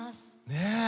ねえ。